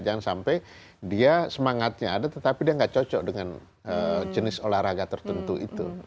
jangan sampai dia semangatnya ada tetapi dia nggak cocok dengan jenis olahraga tertentu itu